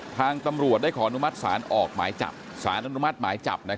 ทางตำรวจได้ขออนุมัติศาลออกหมายจับสารอนุมัติหมายจับ